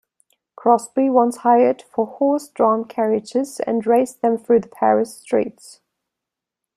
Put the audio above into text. Crosby once hired four horse-drawn carriages and raced them through the Paris streets.